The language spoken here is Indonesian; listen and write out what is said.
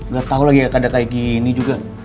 gak tau lagi keadaan kayak gini juga